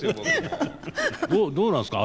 どうなんですか？